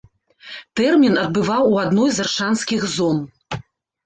Тэрмін адбываў у адной з аршанскіх зон.